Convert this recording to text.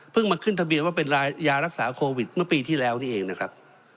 มาขึ้นทะเบียนว่าเป็นยารักษาโควิดเมื่อปีที่แล้วนี่เองนะครับ